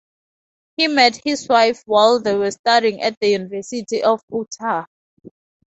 He met his wife while they were studying at the University of Utah.